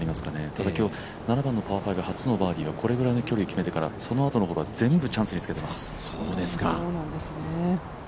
ただ今日、７番のパー５初のバーディーはこれくらいの距離決めてからそのあとのフォローは全部チャンスにつけています。